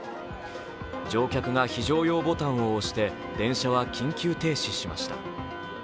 乗客が非常用ボタンを押して電車は緊急停止しました。